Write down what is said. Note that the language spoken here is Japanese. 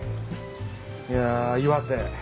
いや岩手。